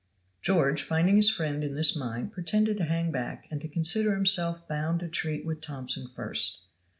George, finding his friend in this mind, pretended to hang back and to consider himself bound to treat with Thomson first.